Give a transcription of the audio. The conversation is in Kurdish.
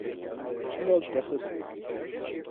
Çima li te xist?